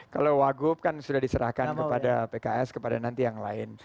kalau wagub kan sudah diserahkan kepada pks kepada nanti yang lain